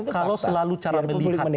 kalau selalu cara melihat